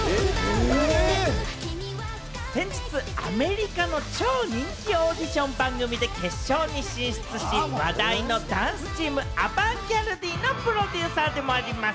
先日、アメリカの超人気オーディション番組で決勝に進出し話題のダンスチーム・ＡＶＡＮＴ−ＧＡＲＤＥＹのプロデューサーでもあります